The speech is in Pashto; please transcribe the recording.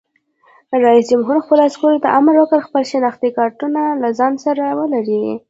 رئیس جمهور خپلو عسکرو ته امر وکړ؛ خپل شناختي کارتونه له ځان سره ولرئ!